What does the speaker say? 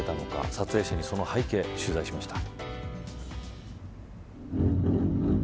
撮影者にその背景取材しました。